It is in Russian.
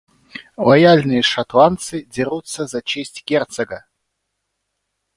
Лояльные шотландцы дерутся за честь герцога.